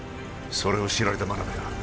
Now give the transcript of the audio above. それを知られた真鍋が